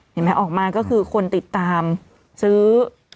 เห็นไหมออกมาก็คือคนติดตามซื้อ